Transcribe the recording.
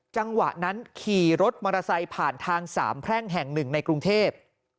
จังหวะนั้นขี่รถมอเตอร์ไซค์ผ่านทางสามแพร่งแห่งหนึ่งในกรุงเทพ